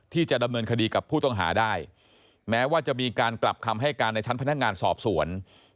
ที่จะดำเนินคดีกับผู้ต้องหาได้แม้ว่าจะมีการกลับคำให้การในชั้นพนักงานสอบสวน